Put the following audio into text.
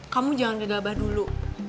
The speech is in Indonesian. kamu jangan gegabah dulu